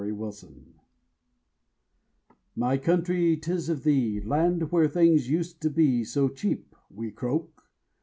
NEW NATIONAL ANTHEM My country, 'tis of thee, Land where things used to be So cheap, we croak.